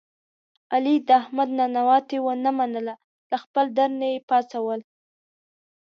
علي د احمد ننواتې و نه منله له خپل در نه یې پا څول.